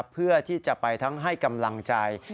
เพื่อที่จะไปทั้งให้กำลังใจ